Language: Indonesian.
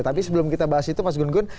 tapi sebelum kita bahas itu mas gun gun